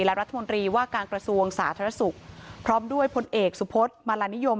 และรัฐมนตรีว่าการกระทรวงสาธารณสุขพร้อมด้วยพลเอกสุพศมาลานิยม